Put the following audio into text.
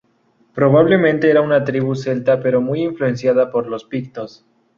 Probablemente eran una tribu Celta pero muy influenciada por los Pictos.